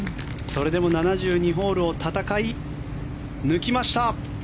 それでも７２ホールを戦い抜きました。